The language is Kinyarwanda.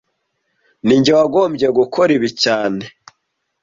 Ninjye wagombye gukora ibi cyane